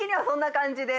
そんな感じ？